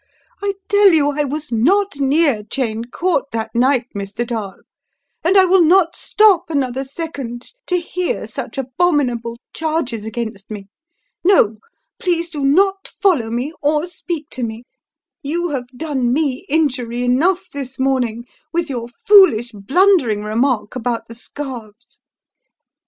I tell you I was not near Cheyne Court that night, Mr. Dall, and I will not stop another second to hear such abominable charges against me! No, please do not follow me, or speak to me, you have done me injury enough this morning with your foolish blundering remark about the scarves."